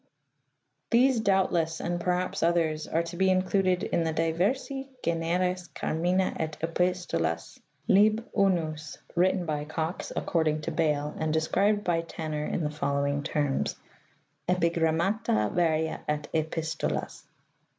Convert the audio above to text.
These doubtless, and perhaps others, are to be included in the "diversi generis carmina et epistolas, lib. I," written by Cox, according to Bale, and described by Tanner in the following terms :" Epigrammata varia et epistolas.